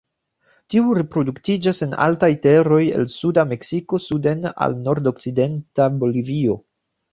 Tiu reproduktiĝas en altaj teroj el suda Meksiko suden al nordokcidenta Bolivio.